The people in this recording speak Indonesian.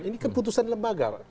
ini kan putusan lembaga